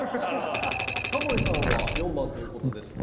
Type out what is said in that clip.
タモリさんは４番という事ですが。